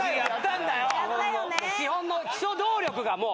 基本の基礎動力がもう。